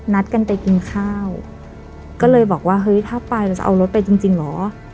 นัดกันไปกินข้าวก็เลยบอกว่าเฮ้ยถ้าไปแล้วจะเอารถไปจริงเหรอ